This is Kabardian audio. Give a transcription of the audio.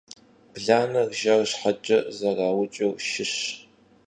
Blaner jjer şheç'e zerauç'ır şşış.